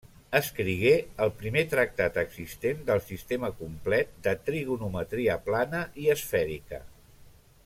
Escrigué el primer tractat existent del sistema complet de trigonometria plana i esfèrica.